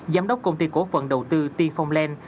giám đốc công ty cổ phần đầu tư tiên phong lan